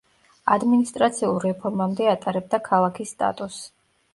ადმინისტრაციულ რეფორმამდე ატარებდა ქალაქის სტატუსს.